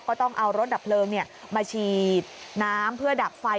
ก็ต้องเอารถดับเพลิงมาฉีดน้ำเพื่อดับไฟ